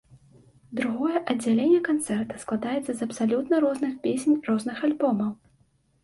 Другое аддзяленне канцэрта складаецца з абсалютна розных песень розных альбомаў.